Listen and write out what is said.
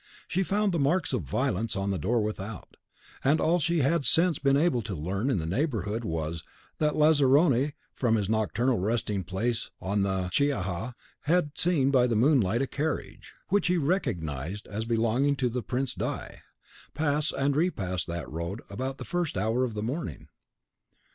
She found the marks of violence on the door without; and all she had since been able to learn in the neighbourhood was, that a Lazzarone, from his nocturnal resting place on the Chiaja, had seen by the moonlight a carriage, which he recognised as belonging to the Prince di , pass and repass that road about the first hour of morning.